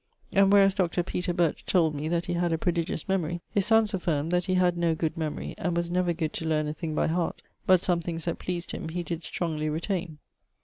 And whereas Dr. Birch told me that he had a prodigiouse memorie; his sonnes affirme that he had no good memorie, and was never good to learne a thing by heart, but some things that pleased him he did strongly retaine.